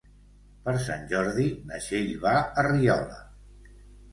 Per Sant Jordi na Txell va a Riola.